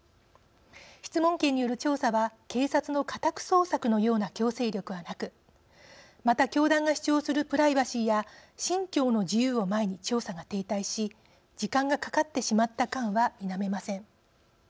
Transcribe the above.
質問権による調査は警察の家宅捜索のような強制力はなくまた、教団が主張するプライバシーや信教の自由を前に調査が停滞し時間がかかってしまった感は否めません。